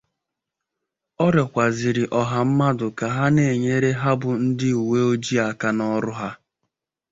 Ọ rịọkwazịrị ọha mmadụ ka ha na-enyere ha bụ ndị uweojii aka n'ọrụ ha